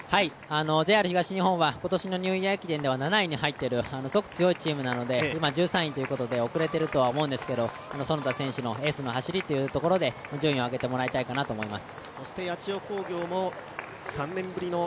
ＪＲ東日本は今年のニューイヤー駅伝では７位に入っているすごく強いチームなので、今１３位ということで遅れてるとは思うんですが其田選手のエースの走りというところで順位を上げてもらいたいかなと思います。